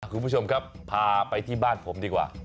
คุณผู้ชมครับพาไปที่บ้านผมดีกว่า